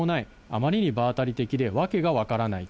あまりに場当たり的で、訳が分からない。